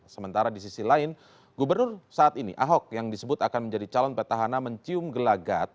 sementara di sisi lain gubernur saat ini ahok yang disebut akan menjadi calon petahana mencium gelagat